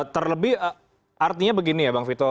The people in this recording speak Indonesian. terlebih artinya begini ya bang vito